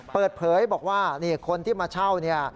ก็ได้บอกว่าคนที่มาเช่าเนี่ย